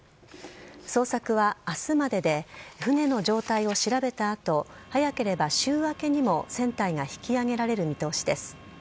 捜索は明日までで船の状態を調べた後早ければ週明けにも船体が引き揚げられる見通しです。